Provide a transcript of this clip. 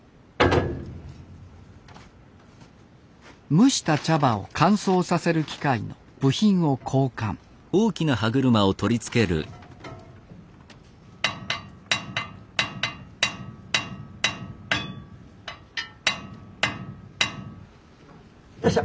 蒸した茶葉を乾燥させる機械の部品を交換よっしゃ！